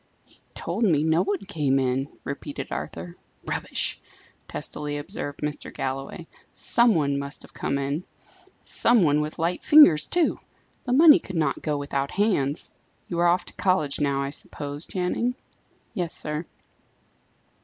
"He told me no one came in," repeated Arthur. "Rubbish!" testily observed Mr. Galloway. "Some one must have come in; some one with light fingers, too! the money could not go without hands. You are off to college now, I suppose, Channing?" "Yes, sir."